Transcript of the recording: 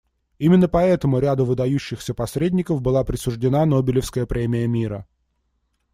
Именно поэтому ряду выдающихся посредников была присуждена Нобелевская премия мира.